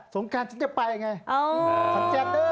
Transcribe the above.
สงการฉันจะไปไงขอนเกียรติด้วย